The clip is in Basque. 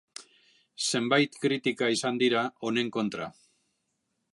Zenbait kritika izan dira honen kontra.